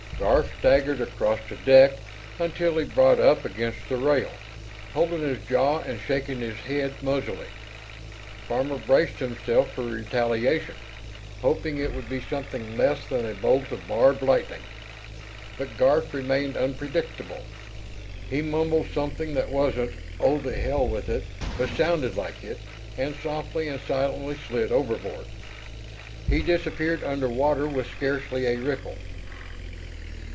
Garf staggered across the deck until he brought up against the rail, holding his jaw and shaking his head muzzily. Farmer braced himself for retaliation, hoping it would be something less than a bolt of barbed lightning. But Garf remained unpredictable. He mumbled something that wasn't "Oh the hell with it" but sounded like it, and softly and silently slid overboard. He disappeared under water with scarcely a ripple.